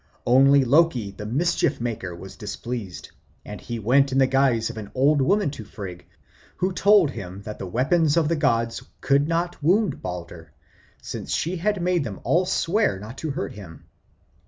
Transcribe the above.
Only Loki, the mischief maker, was displeased, and he went in the guise of an old woman to Frigg, who told him that the weapons of the gods could not wound Balder, since she had made them all swear not to hurt him.